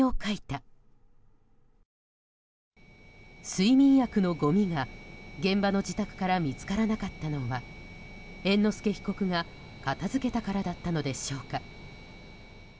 睡眠薬のごみが現場の自宅から見つからなかったのは猿之助被告が片付けたからだったのでしょうか。